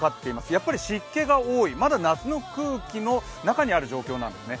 やっぱり湿気が多い、まだ夏の空気の中にある状況なんですね。